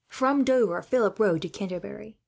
From Dover Philip rode to Canterbury.